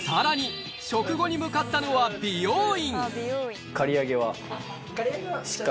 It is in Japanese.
さらに食後に向かったのは美容院。